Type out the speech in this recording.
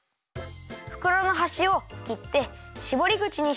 ふくろのはしをきってしぼりぐちにします。